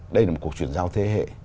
đây là một cuộc chuyển giao thế hệ